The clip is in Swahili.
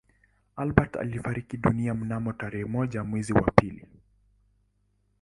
Albert alifariki dunia mnamo tarehe moja mwezi wa pili